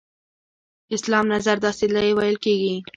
اسلام نظر داسې دی ویل کېږي.